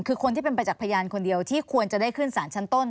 คือคนที่เป็นประจักษ์พยานคนเดียวที่ควรจะได้ขึ้นสารชั้นต้น